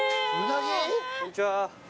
こんちは。